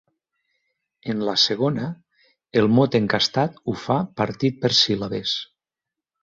En la segona, el mot encastat ho fa partit per síl·labes.